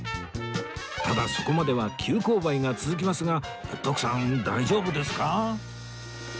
ただそこまでは急勾配が続きますが徳さん大丈夫ですか？